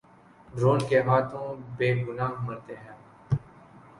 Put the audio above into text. Drone کے ہاتھوں بے گناہ مرتے ہیں۔